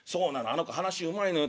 あの子話うまいのよ。